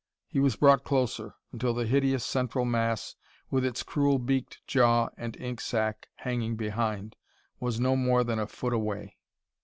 He was brought closer, until the hideous central mass, with its cruel beaked jaw and ink sac hanging behind, was no more than a foot away.